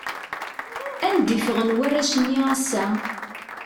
Anda i ffɣen warrac-nni ass-a?